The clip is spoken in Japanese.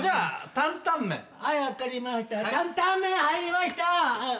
担々麺入りました！